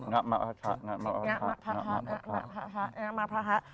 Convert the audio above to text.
งะมะพะทะงะมะพะพะงะมะพะพะงะมะพะพะงะมะพะพะ